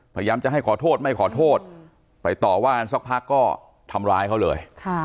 พยายามจะให้ขอโทษไม่ขอโทษไปต่อว่ากันสักพักก็ทำร้ายเขาเลย